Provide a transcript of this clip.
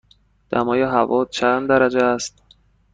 دمای هوا چند درجه است؟